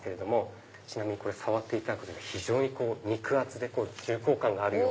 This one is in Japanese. ちなみに触っていただくと非常に肉厚で重厚感があるような。